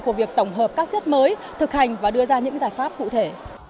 của việc tổng hợp các chất mới thực hành và đưa ra những giải pháp cụ thể